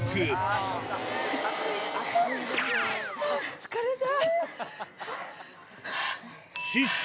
疲れた。